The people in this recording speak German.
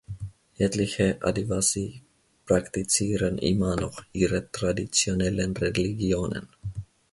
Etliche Adivasi praktizieren immer noch ihre traditionellen Religionen.